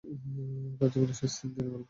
তার জীবনের শেষ তিন দিনের গল্প।